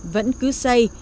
vẫn cứ xây